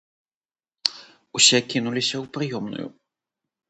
Усе кінуліся ў прыёмную.